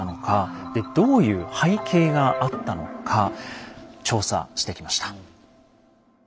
でどういう背景があったのか調査してきました。